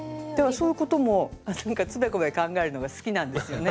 そういうこともなんかつべこべ考えるのが好きなんですよね。